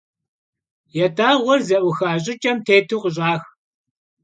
Yat'ağuer ze'uxa ş'ıç'em têtu khış'ax.